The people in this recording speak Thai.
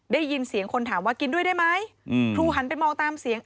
ได้ยินเสียงคนถามว่ากินด้วยได้ไหมครูหันไปมองตามเสียง